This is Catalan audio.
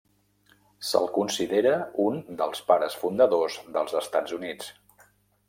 Se'l considera un dels pares fundadors dels Estats Units.